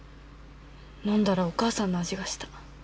飲んだらお母さんの味がした。